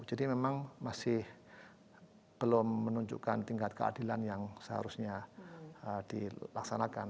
jadi memang masih belum menunjukkan tingkat keadilan yang seharusnya dilaksanakan